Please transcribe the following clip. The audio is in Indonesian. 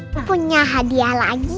aku punya hadiah lagi